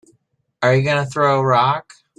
Are you gonna throw a rock?